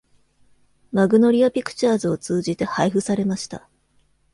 マグノリア・ピクチャーズを通じて配布されました。